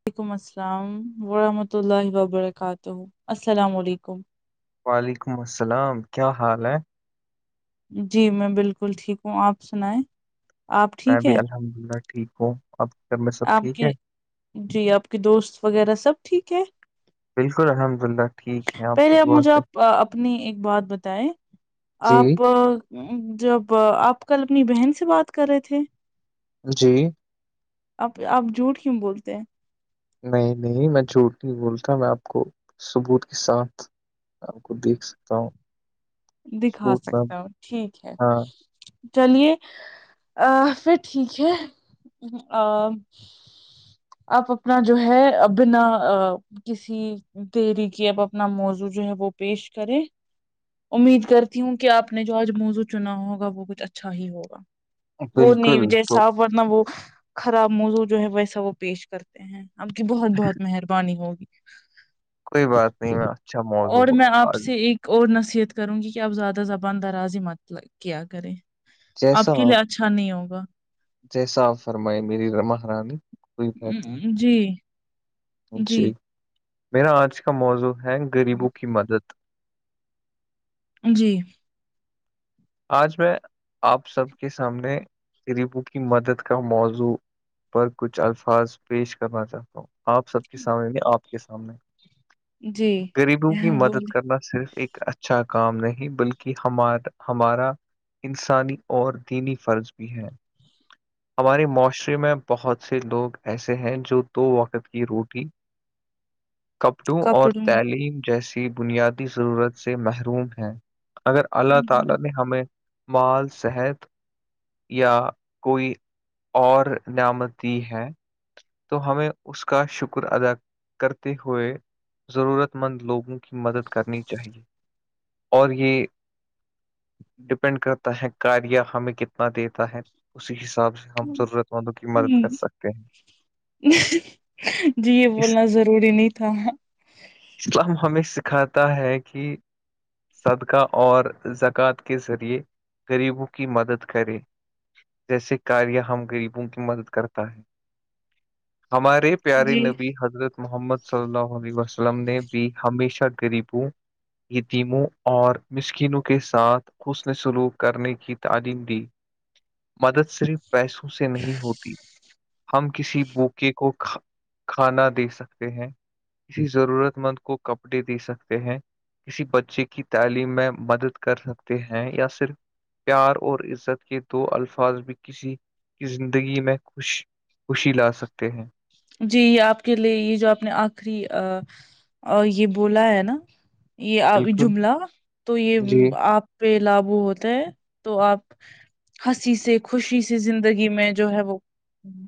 وعلیکم السلام ورحمۃ اللہ وبرکاتہ السلام علیکم وعلیکم السلام کیا حال ہے جی میں بالکل ٹھیک ہوں آپ سنائیں آپ میں ٹھیک بھی ہے الحمد اللہ ٹھیک ہوں اب آپ کے جی آپ کے دوست وغیرہ سب ٹھیک ہے بالکل الحمد للہ ٹھیک ہے کی پہلے آپ دعا مجھے سے آپ اپنی ایک بات بتائے جی آپ جب آپ کل اپنی بہن سے بات کر رہے تھے جی آپ آپ جھوٹ کیوں بولتے ہیں نہیں نہیں میں چوٹ نہیں بولتا میں آپ کو ثبوت کے ساتھ آپ کو دیکھ سکتا ہوں دکھا ثبوت میں سکتا ہوں ٹھیک ہے ہاں چلیے ا پھر ٹھیک ہے آپ اپنا جو ہے بنا کسی تری کی اب اپنا موضوع جو ہے وہ پیش کرے امید کرتی ہوں کہ آپ نے جو آج موزوع چنا ہوگا وہ کچھ اچھا ہی ہوگا وہ نہیں بالکل تو جیساپ ورنہ وہ خراب موضوع جو ہے ویسا وہ پیش کرتے ہیں آپ کی بہت بہت مہربانی ہوگی کوئی بات نہیں میں اچھا موضوع اور پر میں آپ آج سے ایک اور نصیحت کروں گی کہ آپ زیادہ زبان درازی مت کیا کریں آپ کے لیے اچھا نہیں ہوگا جیسا فرمائی میری رمح رانی جی جی میرا آج کا موضوع ہے غریبوں کی مدد جی آج میں آپ سب کے سامنے غریبوں کی مدد کا موضوع پر کچھ الفاظ پیش کرنا چاہتا ہوں آپ سب کے سامنے میں آپ کے سامنے جی [inaudible] غریبوں کی مدد بولی کرنا صرف ایک اچھا کام نہیں بلکہ ہمار ہمارا انسانی اور دینی فرض بھی ہے ہمارے معاشرے میں بہت سے لوگ ایسے ہیں جو دو وقت کی روٹی [inaudible] کپڑوں اور تعلیم جیسی بنیادی ضرورت سے محروم ہیں اگر اللہ ہوں۔ تعالی نے ہمیں مال صحت یا کوئی اور نعمتی ہے تو ہمیں اس کا شکر ادا کرتے ہوئے ضرورت مند لوگوں کی مدد کرنی چاہیے اور یہ ڈپینڈ کرتا ہے کاریا ہمیں کتنا دیتا ہے اسی حساب سے ہم ضرورت مندوں کی مدد کر سکتے ہیں جی یہ اس بولنا ضروری نہیں تھا اسلام ہمیں سکھاتا ہے کہ صدقہ اور قات کے ذریعے غریبوں کی مدد کرے جیسے کاریا ہم گغریبوں کی مدد کرتا ہے ہمارے پیارے جی نبی حضرت محمد صلی اللہ علیہ وسلم نے بھی ہمیشہ غریب ہوں یہ موں اور مسکینوں کے ساتھ حس نے سلوک کرنے کی تعلیم دی مدد صرف پیسوں سے نہیں ہوتی ہم کسی کو کو کھانا دے سکتے ہیں کسی ضرورت مند کو کپڑے دے سکتے ہیں کسی بچے کی تعلیم میں مدد کر سکتے ہیں یا صرف پیار اور عزت کے دو الفاظ بھی کسی کی زندگی میں خوش خوشی لا سکتے ہیں جی یہ آپ کے لیے یہ جو آپ نے آخری یہ بولا ہے نا یہ بالکل جملہ تو یہ جی آپ پہ لگو ہوتا ہیں تو آپ ہنسی سے خوشی سے زندگی میں جو ہے وہ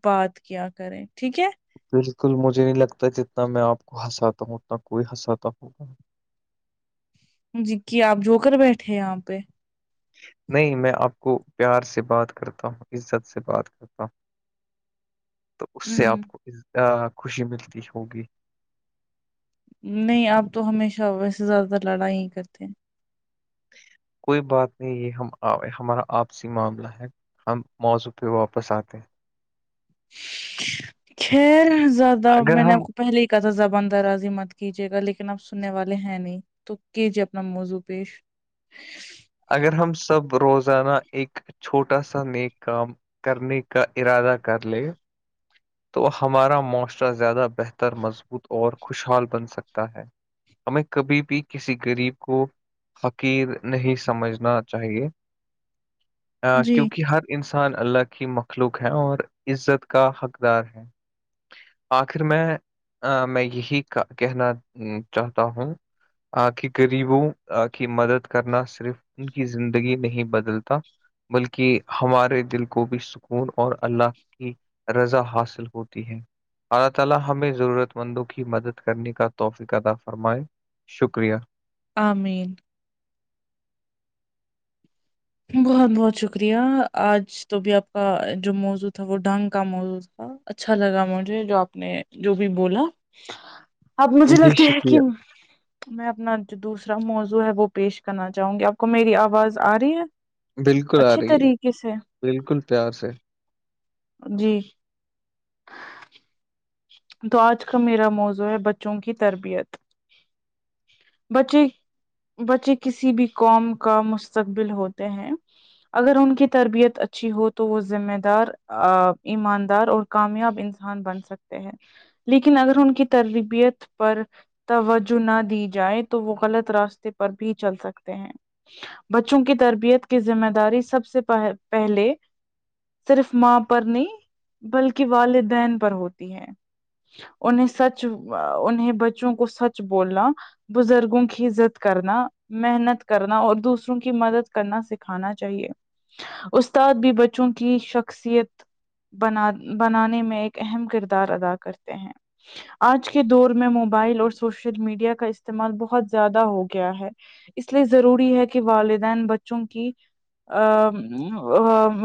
بات کیا کریں ٹھیک ہے بالکل مجھے نہیں لگتا جتنا میں آپ کو ہنساتا ہوں اتنا کوئی ہنساتا ہوگا جی کی آپ جو کر بیٹھے یہاں پہ نہیں میں آپ کو پیار سے بات کرتا ہوں عزت سے بات کرتا ہوں تو اس سے ہ آپ کو خوشی ملتی ہوگی نہیں آپ تو ہمیشہ ویسے زیادہ لڑائی ہی کرتے ہیں کوئی بات نہیں یہ ہم ہمارا آپسی معاملہ ہے ہم موضوع پہ واپس آتے ہیں خیر زیادہ اگر میں نے ہم پہلے ہی کا تھا زبان دراز ہی مت کیجیے گا لیکن اب سننے والے ہیں نہیں تو کی ج اپنا مضو پش اگر ہم سب روزانہ ایک چھوٹا سا نیک کام کرنے کا ارادہ کر لے تو ہمارا معاشرہ زیادہ بہتر مضبوط اور خوشحال بن سکتا ہے ہمیں کبھی بھی کسی غریب کو حقیر نہیں سمجھنا چاہیے [inaudible] [inaudible] کیونکہ ہر انسان اللہ کی مخلوق ہے اور عزت کا حقدار ہے آخر میں میں یہی کا کہنا چاہتا ہوں آ کی غریبوں کی مدد کرنا صرف ان کی زندگی نہیں بدلتا بلکہ ہمارے دل کو بھی سکون اور اللہ کی رضا حاصل ہوتی ہے ہمیں ضرورت مندوں کی مدد کرنے کا توفیق عطا فرمائے شکریہ آمین بہت بہت شکریہ آج تو بھی آپ کا جو موضوں تھا وہ ڈھنگ کا موضوں تھا اچھا لگا مجھے جو آپ نے جو بھی بولا اب مجھے جی لگتے ہے کہ شکریہ میں اپنا جو دوسرا موضوع ہے وہ پیش کرنا چاہوں گی آپ کو میری آواز آ رہی ہے بالکل آ اچھی رہی ہے طریقے سے بالکل پیار سے جی تو آج کا میرا موضوع ہے بچوں کی تربیت بچی [unintelligible] بچے کسی بھی قوم کا مستقبل ہوتے ہیں اگر ان کی تربیت اچھی ہو تو وہ ذمہ دار ایماندار اور کامیاب انسان بن سکتے ہیں لیکن اگر ان کی تربیت پر توجہ نہ دی جائے تو وہ غلط راستے پر بھی چل سکتے ہیں بچوں کی تربیت کی ذمہ داری سب سے پہلے صرف ماں پر نہیں، بلکہ والدین پر ہوتی ہے انہیں سچ انہیں بچوں کو سچ بولنا بزرگوں کی عزت کرنا محنت کرنا اور دوسروں کی مدد کرنا سکھانا چاہیے استاد بھی بچوں کی شخصیت بنا بنانے میں ایک اہم کردار کردار ادا کرتے ہیں آج کے دور میں موبائل اور سوشل میڈیا کا استعمال بہت زیادہ ہو گیا ہے اس لیے ضروری ہے کہ والدین بچوں کی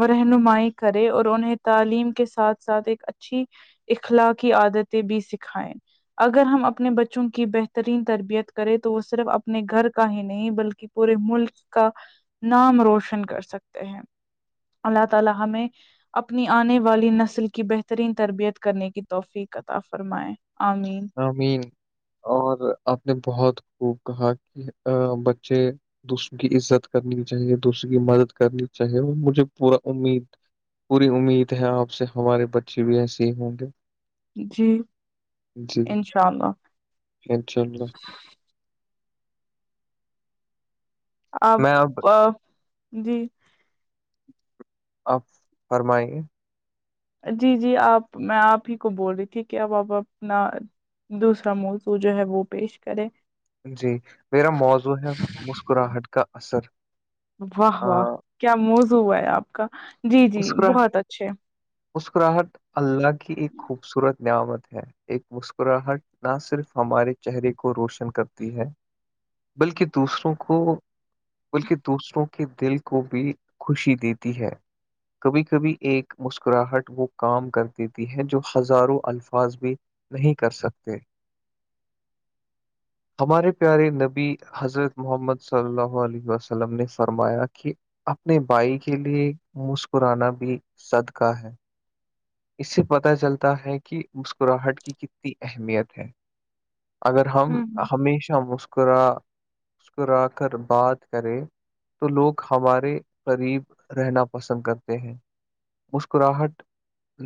رہنمائی کرے اور انہیں تعلیم کے ساتھ ساتھ ایک ا اچھی اخلاق کی عادتیں بھی سکھائیں اگر ہم اپنے بچوں کی بہترین تربیت کریں تو وہ صرف اپنے گھر کا ہی نہیں بلکہ پورے ملک کا نام روشن کر سکتے ہیں [inaudible] کرنے کی توفیق کاطا فرمائے آمین مین اور آپ نے بہت خوب کہا کہ بچے دوسروں کی عزت کرنی چاہیے دوسروں کی مدد کرنی چاہیے وہ مجھے پورا امید پوری امید ہے آپ سے ہمارے بچے بھی ایسے ہی ہوں گے جی جی انشاء اللہ انشاء اللہ میں اب آپ جی آپ فرمائ گے جی جی آپ میں آپ ہی کو بول رہی تھی کہ اب اپ اپنا دوسرا موضوع جو ہے وہ پیش کرے جی میرا موضوع ہے مسکراہٹ کا اثر واہ آ، واہ کیا موزوں ہوا ہے آپ کا جی جی بہت اچھے اسکراہٹ اللہ کی ایک خوبصورت نعمت ہے ایک مسکراہٹ نہ صرف ہمارے چہرے کو روشن کرتی ہے بلکہ دوسروں کو بلکہ دوسروں کے دل کو بھی خوشی دیتی ہے کبھی کبھی ایک مسکراہٹ وہ کام کر دیتی ہے جو ہزاروں الفاظ بھی نہیں کر سکتے [inaudible] ہمارے پیارے نبی حضرت محمد صلی اللہ علیہ وسلم نے فرمایا کہ اپنے بھائی کے لیے مسکرانا بھی صدقہ ہے اس سے پتہ چلتا ہے کہ مسکراہٹ کی کتنی اہمیت ہے اگر ہم ہوں ہمیشہ مسکرا مسکرا کر بات کریں تو لوگ ہمارے قریب رہنا پسند کرتے ہیں مسکراہٹ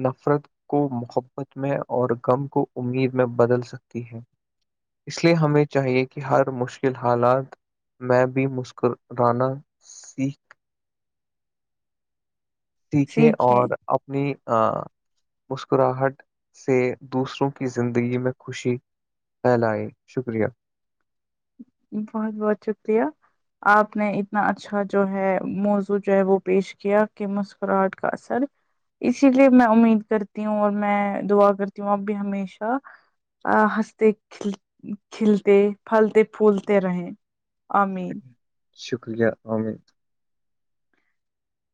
نفرت کو محبت میں اور غم کو امید میں بدل سکتی ہے اس لیے ہمیں چاہیے کہ ہر مشکل حالات میں بھی مسکرانا سیکھ سیکھے ٹھیک ہے اور اپنی مسکراہٹ سے دوسروں کی زندگی میں خوشی پھیلائے شکریہ بہت بہت شکریہ آپ نے اتنا اچھا جو ہے موضوع جو ہے وہ پیش کیا کہ مسکراہٹ کا اثر اسی لیے میں امید کرتی ہوں اور میں دعا کرتی ہوں اب بھی ہمیشہ ہنستے کل کھلتے پھلتے پولتے رہیں امین شکریہ عامد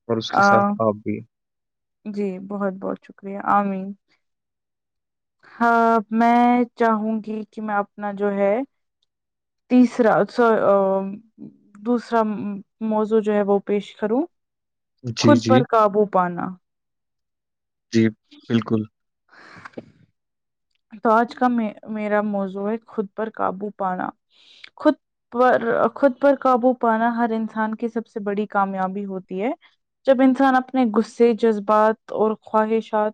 اور اس کے آ ساتھ آپ بھی جی بہت بہت شکریہ عامر ہاں میں چاہوں گی کہ میں اپنا جو ہے تیسرا دوسرا موضوع جو ہے وہ پیش کروں جی خود جی پر قابو پانا جی بالکل [inaudible] تو آج کا میرا موزو ہے خود پر قابو پانا خود پر خود پر قابو پانا ہر انسان کی سب سے بڑی کامیابی ہوتی ہے جب انسان اپنے غصے جذبات اور خواہشات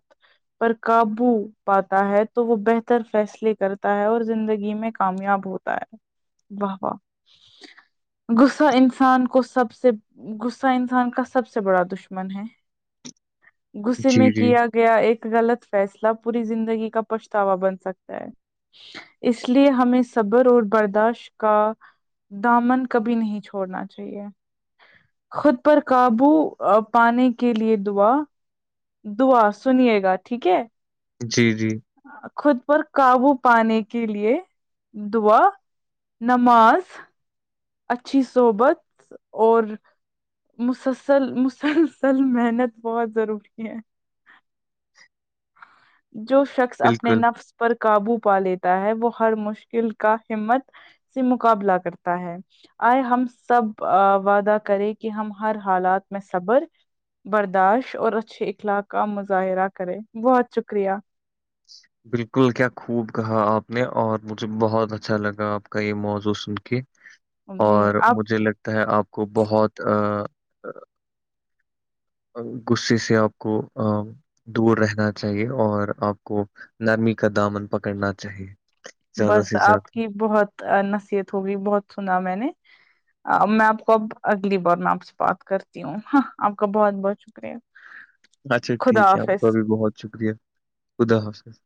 پر قابو پاتا ہے تو وہ بہتر فیصلے کرتا ہے اور زندگی میں کامیاب ہوتا ہے واہ واہ غصہ انسان کو سب سے غصہ انسان کا سب سے بڑا دشمن ہے غصے جی میں جی کیا گیا ایک غلط فیصلہ پوری زندگی کا پچھتاوا بن سکتا ہے اس لیے ہمیں صبر اور برداشت کا دامن کبھی نہیں چھوڑنا چاہیے خود پر قابو پانے کے لیے دعا دعا سنیے گا ٹھیک ہے جی جی خود پر قابو پانے کے لیے دعا نماز اچھی صحبت اور مسلسل مسلسل محنت بہت ضروری ہے جو شخص اپنے بالکل نفس پر قابو پا لیتا ہے وہ ہر مشکل کا ہمت سے مقابلہ کرتا ہے آئے ہم سب وعدہ کرے کہ ہم ہر حالات میں صبر برداشت اور اچھے اخلاق کا مظاہرہ کرے بہت شکریہ [inaudible] بالکل کیا خوب کہا آپ نے اور مجھے بہت اچھا لگا آپ کا یہ موضوع سن کے جی اور آپ مجھے لگتا ہے آپ کو بہت ا غصے سے آپ کو دور رہنا چاہیے اور آپ کو نرمی کا دامن پکڑنا چاہیے زیادہ بس سے آپ زیادہ کی بہت نصیحت ہوگی بہت سنا میں نے میں آپ کو اب اگلی بار میں آپ سے بات کرتی ہوں آپ کا بہت بہت شکریہ اچھا ٹھیک خدا ہے آپ کا حافظ بھی بہت شکریہ خدا حافظ